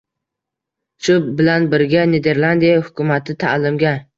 Shu bilan birga, Niderlandiya hukumati ta’limga